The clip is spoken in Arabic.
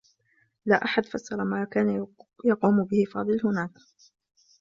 لا أحد فسّر ما كان يقوم به فاضل هناك.